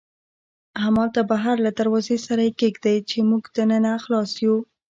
همالته بهر له دروازې سره یې کېږدئ، چې موږ دننه خلاص یو.